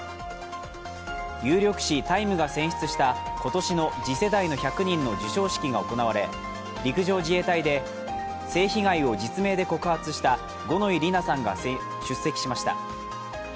有力誌「タイム」が選出した、今年の次世代の１００人の授賞式が行われ陸上自衛隊で性被害を実名で告発した五ノ井里奈さんが出席しました。